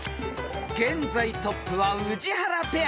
［現在トップは宇治原ペア］